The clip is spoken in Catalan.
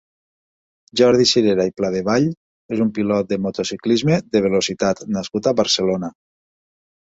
Jordi Sirera i Pladevall és un pilot de motociclisme de velocitat nascut a Barcelona.